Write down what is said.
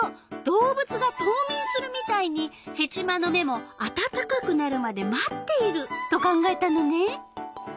動物が冬眠するみたいにヘチマの芽もあたたかくなるまで待っていると考えたのね。